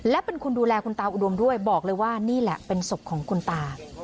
และเป็นคนดูแลคุณตาอุดมด้วยบอกเลยว่านี่แหละเป็นศพของคุณตา